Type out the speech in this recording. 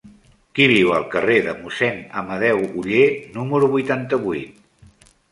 Qui viu al carrer de Mossèn Amadeu Oller número vuitanta-vuit?